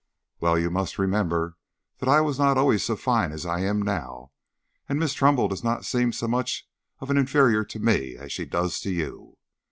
"Well you must remember that I was not always so fine as I am now, and Miss Trumbull does not seem so much of an inferior to me as she does to you.